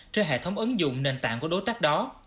trên hệ thống ứng dụng nền tảng của đối tác đó